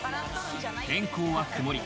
天候は曇り。